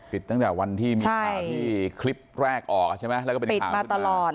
ปิดตั้งแต่วันที่ใช่ที่คลิปแรกออกใช่ไหมแล้วก็เป็นปิดมาตลอด